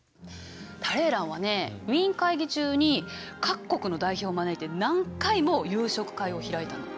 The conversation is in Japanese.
タレーランはねウィーン会議中に各国の代表を招いて何回も夕食会を開いたの。